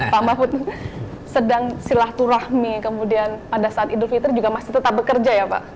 pak mahfud sedang silaturahmi kemudian pada saat idul fitri juga masih tetap bekerja ya pak